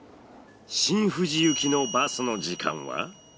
新富士行きのバスの時間は。